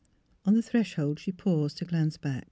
On the threshold she paused to glance back.